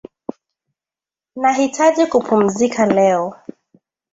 Nahitaji kupumzika leo.